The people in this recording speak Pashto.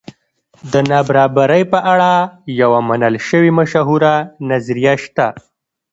د نابرابرۍ په اړه یوه منل شوې مشهوره نظریه شته.